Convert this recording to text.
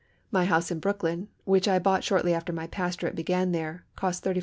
My house in Brooklyn, which I bought shortly after my pastorate began there, cost $35,000.